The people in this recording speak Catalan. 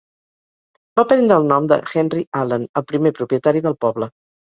Va prendre el nom de Henry Allen, el primer propietari del poble.